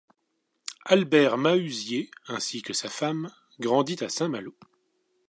Albert Mahuzier, ainsi que sa femme, grandit à Saint-Malo.